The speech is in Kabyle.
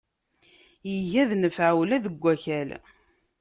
Iga d nnfeɛ ula deg akal.